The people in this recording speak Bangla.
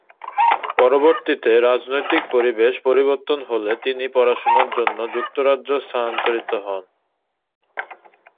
পরবর্তীতে রাজনৈতিক পরিবেশ পরিবর্তন হলে তিনি পড়াশুনার জন্য যুক্তরাজ্য স্থানান্তরিত হন।